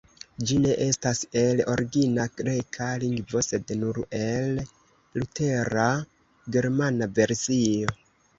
Ĝi ne estas el origina greka lingvo, sed nur el Lutera germana versio.